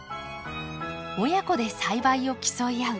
親子で栽培を競い合う。